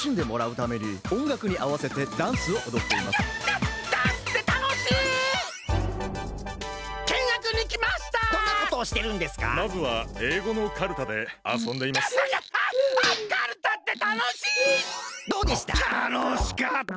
たのしかった！